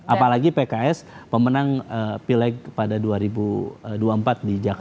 apalagi pks pemenang pileg pada dua ribu dua puluh empat di jakarta